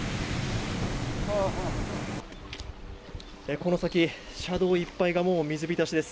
この先、車道いっぱいがもう水浸しです。